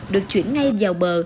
được chuyển ngay vào bờ